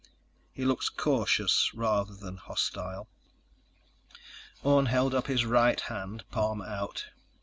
He looks cautious rather than hostile."_ Orne held up his right hand, palm out.